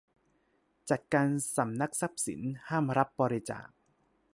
จัดการสำนักทรัพย์สิน ห้ามรับบริจาค